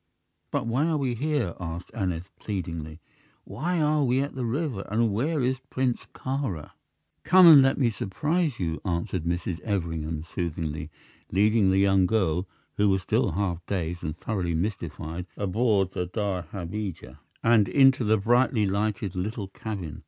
"But why are we here?" asked Aneth, pleadingly. "Why are we at the river, and where is Prince Kāra?" "Come and let me surprise you," answered Mrs. Everingham, soothingly, leading the young girl, who was still half dazed and thoroughly mystified, aboard the dahabeah and into the brightly lighted little cabin.